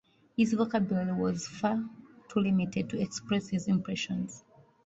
His vocabulary was far too limited to express his impressions.